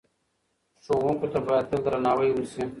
ښوونکو ته باید تل درناوی وسي.